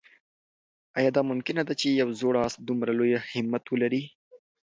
آیا دا ممکنه ده چې یو زوړ آس دومره لوی همت ولري؟